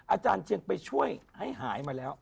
อาจารย์จริงเธอไปช่วยให้หายไหมแล้ว